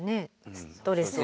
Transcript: ストレスを。